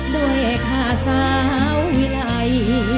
ด้วยข้าซาวิลัย